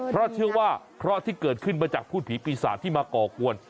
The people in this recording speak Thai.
เพราะเชื่อว่าเคราะห์ที่เกิดขึ้นมาจากพูดผีปีศาจที่มาก่อกวน